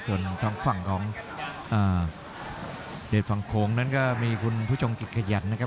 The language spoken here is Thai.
ส่วนทางฝั่งของเดชฝั่งโขงนั้นก็มีคุณผู้ชมกิจขยันนะครับ